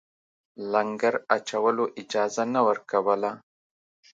لنګر اچولو اجازه نه ورکوله.